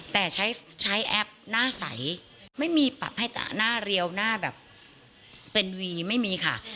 แต่ใช้ใช้แอปหน้าใสไม่มีปรับให้แต่หน้าเรียวหน้าแบบเป็นวีไม่มีค่ะ